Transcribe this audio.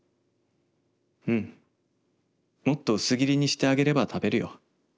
『うんもっと薄切りにしてあげれば食べるよ。